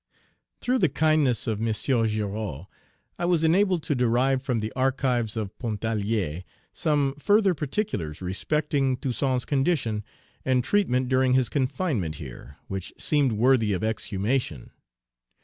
Through the kindness of M. Girod I was enabled to derive from the archives of Pontarlier some further particulars respecting Toussaint's condition and treatment during his confinement here, which seemed worthy of exhumation.